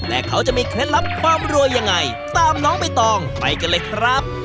และเขาจะมีเคล็ดลับความรวยยังไงตามน้องใบตองไปกันเลยครับ